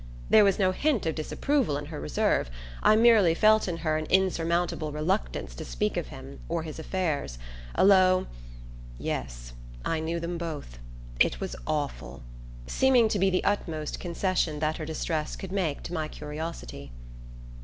There was no hint of disapproval in her reserve; I merely felt in her an insurmountable reluctance to speak of him or his affairs, a low "Yes, I knew them both... it was awful..." seeming to be the utmost concession that her distress could make to my curiosity.